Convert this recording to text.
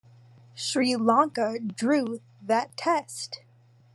Sri Lanka drew that Test.